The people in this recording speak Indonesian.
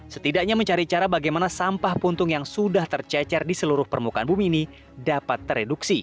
setidaknya mencari cara bagaimana sampah puntung yang sudah tercecer di seluruh permukaan bumi ini dapat tereduksi